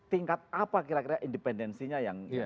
tingkat apa kira kira independensinya yang